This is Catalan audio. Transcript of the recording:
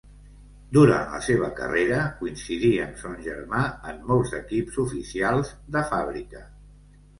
Durant la seva carrera, coincidí amb son germà en molts equips oficials de fàbrica.